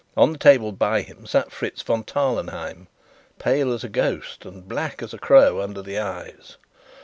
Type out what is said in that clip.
On the table by him sat Fritz von Tarlenheim, pale as a ghost and black as a crow under the eyes.